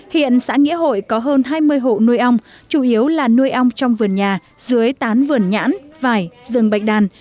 hiện xã nghĩa hội có hơn hai mươi hộ nuôi ong chủ yếu là nuôi ong trong vườn nhà dưới tán vườn nhãn vải rừng bạch đàn